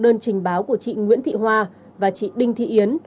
đơn trình báo của chị nguyễn thị hoa và chị đinh thị yến